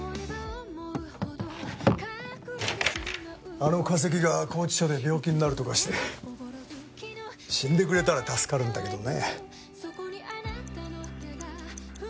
あの化石が拘置所で病気になるとかして死んでくれたら助かるんだけどね。